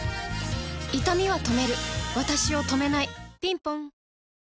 いたみは止めるわたしを止めないぴんぽん